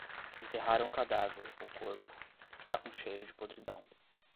Enterraram o cadáver, o corpo. Está com cheiro de podridão